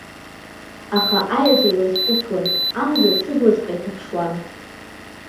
Аха аеҵә еилацәҟәысуан, амза сыблаҵәҟьа иҭаԥшуан.